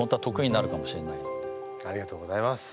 ありがとうございます。